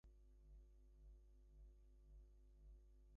Reports are Ty Longley died helping save others.